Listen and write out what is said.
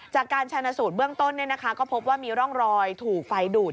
จากการชาญสูตรเบื้องต้นก็พบว่ามีร่องรอยถูกไฟดูด